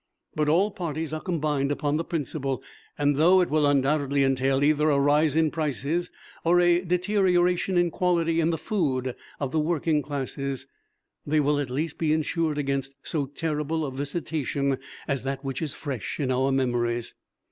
But all Parties are combined upon the principle, and, though it will undoubtedly entail either a rise in prices or a deterioration in quality in the food of the working classes, they will at least be insured against so terrible a visitation as that which is fresh in our memories.